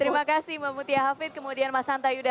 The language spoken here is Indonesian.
terima kasih mbak mutia hafid kemudian mas hanta yuda